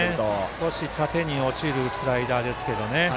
少し縦に落ちるスライダーですけどね。